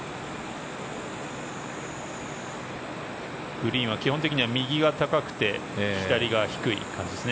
グリーンは基本的には右が高くて左が低い感じですね。